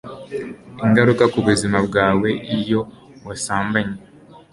ingaruka ku buzima bwawe iyo wasambanye